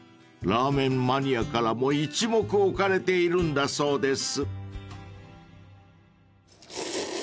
［ラーメンマニアからも一目置かれているんだそうです］